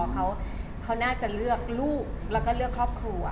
เขาน่าจะเลือกลูกแล้วก็เลือกครอบครัว